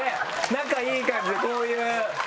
仲いい感じでこういう。